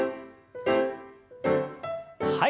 はい。